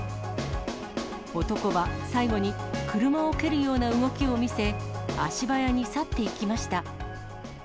男は、最後に車を蹴るような動きを見せ、足早に去っていきました。